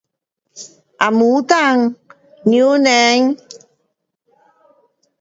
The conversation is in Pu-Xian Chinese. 红毛丹,榴莲